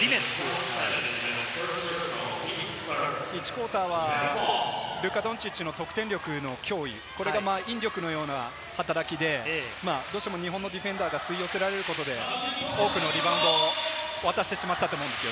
第１クオーターはルカ・ドンチッチの得点力の脅威、これが引力のような働きで日本のディフェンダーが吸い寄せられることで多くのリバウンドを渡してしまったと思うんです。